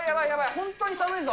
本当に寒いぞ。